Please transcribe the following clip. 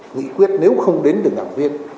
nghị quyết nếu không đến đường đảng viên